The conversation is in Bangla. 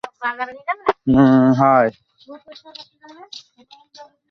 অনেক অনেক আগে থেকেই মানুষ অতিনবতারা সম্পর্কে জানত।